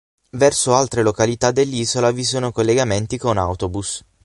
Verso altre località dell'isola vi sono collegamenti con autobus.